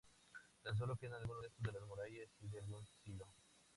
Tan solo quedan algunos restos de las murallas y de algún silo.